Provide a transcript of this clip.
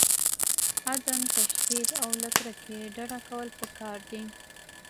عدم تشدد او له کرکې ډډه کول پکار دي.